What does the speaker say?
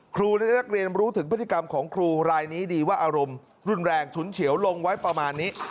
ครูและนักเรียนรู้ถึงพฤติกรรมของครูรายนี้ดีว่าอารมณ์รุนแรงฉุนเฉียวลงไว้ประมาณนี้